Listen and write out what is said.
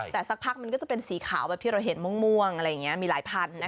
แต่สักพักมันก็จะเป็นสีขาวแบบที่เราเห็นม่วงอะไรอย่างนี้มีหลายพันธุ์